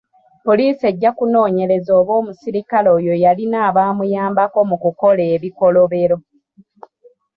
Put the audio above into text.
Poliisi ejja kunoonyereza oba omusirikale oyo yalina abamuyambako mu kukola ebikolobero.